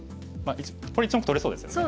これ１目取れそうですよね。